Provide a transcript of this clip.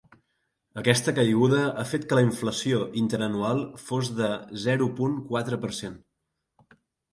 Aquesta caiguda ha fet que la inflació interanual fos de -zero punt quatre per cent.